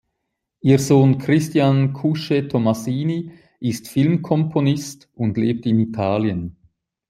Ihr Sohn Christian Kusche-Tomasini ist Filmkomponist und lebt in Italien.